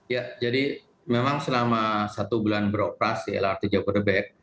ya jadi memang selama satu bulan beroperasi lrt jabodebek